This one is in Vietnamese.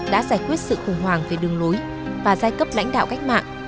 đã giải quyết sự khủng hoảng về đường lối và giai cấp lãnh đạo cách mạng